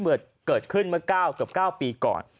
อเวทเกิดขึ้นเมื่อเก้าเกียวกับเก้าปีก่อน